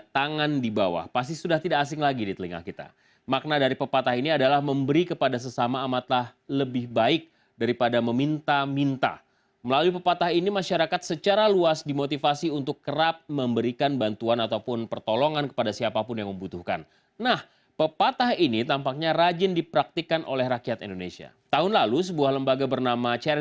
tahun lalu sebuah lembaga bernama charities aid foundation atau cf